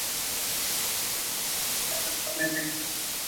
El uso natural de la linterna provocará su envejecimiento y rotura.